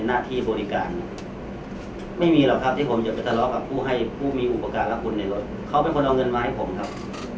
หน้าที่บริการไม่มีหรอกครับที่ผมจะไปทะเลาะกับผู้ให้ผู้มีอุปกรณ์และคนในรถเขาเป็นคนเอาเงินมาให้ผมครับ